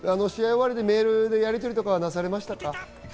終わりにメールのやりとりとかなされましたか？